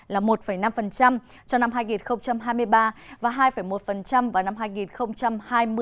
là một năm cho năm hai nghìn hai mươi ba và hai một vào năm hai nghìn hai mươi